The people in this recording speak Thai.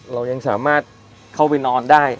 เรายังสามารถเข้าไปนอนได้